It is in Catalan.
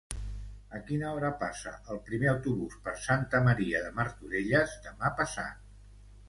A quina hora passa el primer autobús per Santa Maria de Martorelles demà passat?